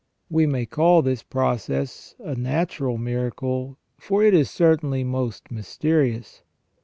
We may call this process a natural miracle, for it is certainly most mysterious.